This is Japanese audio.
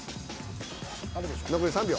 残り３秒。